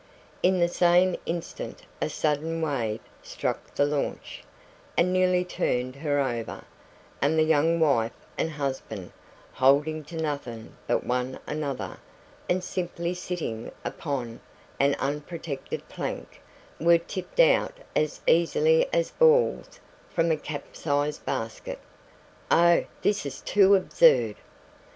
In the same instant a sudden wave struck the launch, and nearly turned her over, and the young wife and husband, holding to nothing but one another, and simply sitting upon an unprotected plank, were tipped out as easily as balls from a capsized basket. "Oh, this is too absurd!"